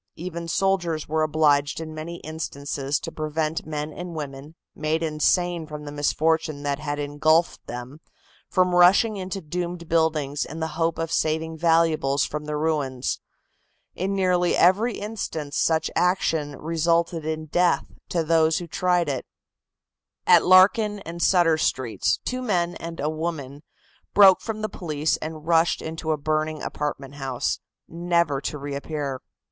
Even soldiers were obliged in many instances to prevent men and women, made insane from the misfortune that had engulfed them, from rushing into doomed buildings in the hope of saving valuables from the ruins. In nearly every instance such action resulted in death to those who tried it. At Larkin and Sutter Streets, two men and a woman broke from the police and rushed into a burning apartment house, never to reappear.